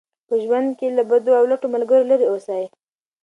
په ژوند کې له بدو او لټو ملګرو لرې اوسئ.